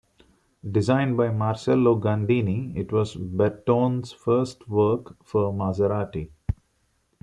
Designed by Marcello Gandini, it was Bertone's first work for Maserati.